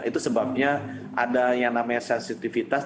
itu sebabnya ada yang namanya sensitivitas